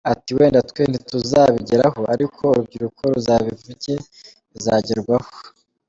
Ati “Wenda twe ntituzabigeraho ariko urubyiruko ruzabivuge bizagerwaho.